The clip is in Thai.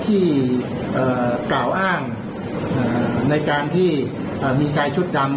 ที่เอ่อกล่าวอ้างเอ่อในการที่เอ่อมีชายชุดดำ